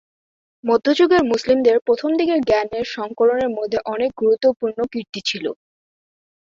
মধ্যযুগের মুসলিমদের প্রথমদিকের জ্ঞানের সংকলনের মধ্যে অনেক গুরুত্বপূর্ণ কীর্তি ছিল।